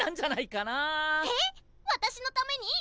えっ私のために？